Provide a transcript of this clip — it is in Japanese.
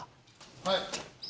はい。